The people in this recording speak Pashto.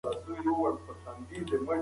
سهارنۍ د انسان ذهني تمرکز زیاتوي.